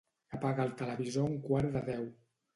Apaga el televisor a un quart de deu.